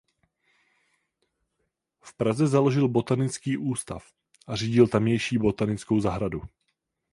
V Praze založil Botanický ústav a řídil tamější botanickou zahradu.